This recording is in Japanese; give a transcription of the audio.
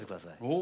お！